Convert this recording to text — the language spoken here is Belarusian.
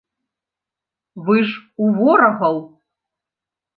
Вы ж у ворагаў.